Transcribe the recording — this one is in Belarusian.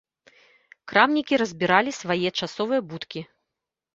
Крамнікі разбіралі свае часовыя будкі.